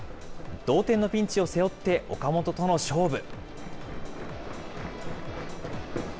同点のピンチを背負って、岡本との勝負。